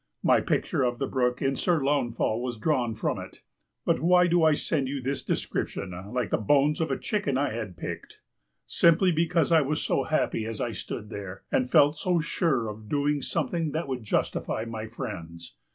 My picture of the brook in Sir Launfal was drawn from it. But why do I send you this description, like the bones of a chicken I had picked? Simply because I was so happy as I stood there, and felt so sure of doing something that would justify my friends.